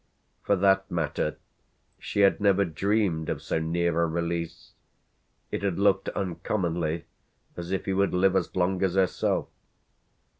For that matter she had never dreamed of so near a release; it had looked uncommonly as if he would live as long as herself.